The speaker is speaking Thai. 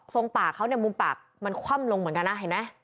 ปากเขาเนี่ยมุมปากมันคว่ำลงเหมือนกันนะเห็นไหม